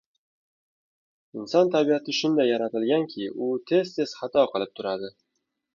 Inson tabiati shunday yaratilganki, u tez-tez xato qilib turadi: